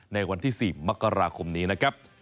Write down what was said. ในวันที่๔มกราคมนี้นะครับ